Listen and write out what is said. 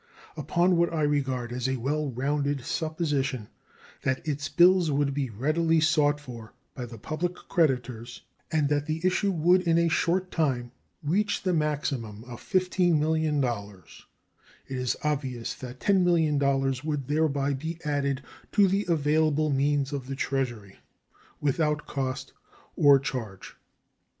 Upon what I regard as a well rounded supposition that its bills would be readily sought for by the public creditors and that the issue would in a short time reach the maximum of $15,000,000, it is obvious that $10,000,000 would thereby be added to the available means of the Treasury without cost or charge.